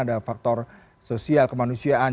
ada faktor sosial kemanusiaan